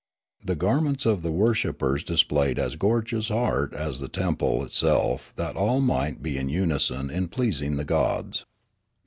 The garments of the worshippers displayed as gorgeous art as the temple itself that all might be in unison in pleasing the gods.